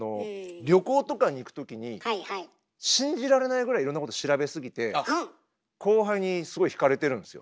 旅行とかに行くときに信じられないぐらいいろんなこと調べすぎて後輩にすごい引かれてるんですよ。